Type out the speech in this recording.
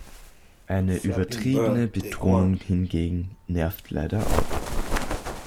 Eine übertriebene Betonung hingegen nervt leider auch.